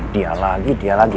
dia lagi dia lagi